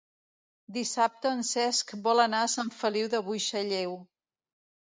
Dissabte en Cesc vol anar a Sant Feliu de Buixalleu.